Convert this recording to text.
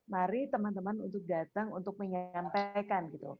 mari teman teman datang untuk menyampaikan